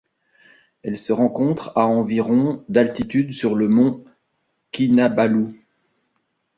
Elle se rencontre à environ d'altitude sur le mont Kinabalu.